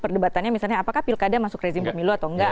perdebatannya misalnya apakah pilkada masuk rezim pemilu atau enggak